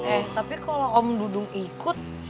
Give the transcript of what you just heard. eh tapi kalau om dudung ikut